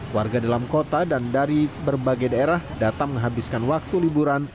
warga dalam kota dan dari berbagai daerah datang menghabiskan waktu liburan